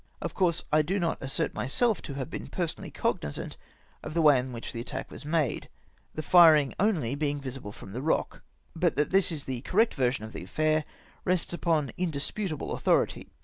Of course I do not assert myself to have been person ally cognisant of the way in which the attack was made, the firing only being visible from the Eock, but that this is the correct version of the affak^ rests upon indisputable authority.